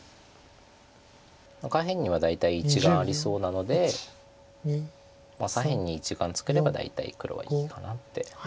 下辺には大体１眼ありそうなので左辺に１眼作れば大体黒は生きかなって。